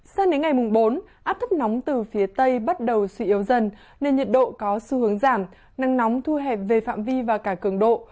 sang đến ngày mùng bốn áp thấp nóng từ phía tây bắt đầu suy yếu dần nên nhiệt độ có xu hướng giảm năng nóng thu hẹp về phạm vi và cả cường độ